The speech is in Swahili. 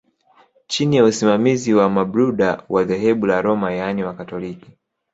Chini ya usimamizi wa Mabruda wa dhehebu la Roma yaani wakatoliki